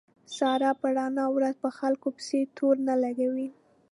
ساره په رڼا ورځ په خلکو پسې تورو نه لګوي.